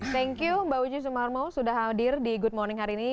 thank you mbak uci sumarmo sudah hadir di good morning hari ini